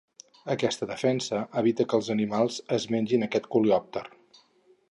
Aquesta defensa evita que els animals es mengin aquest coleòpter.